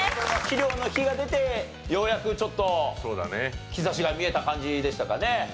肥料の「肥」が出てようやくちょっと兆しが見えた感じでしたかね。